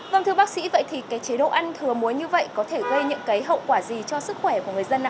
vâng thưa bác sĩ vậy thì cái chế độ ăn thừa muối như vậy có thể gây những cái hậu quả gì cho sức khỏe của người dân ạ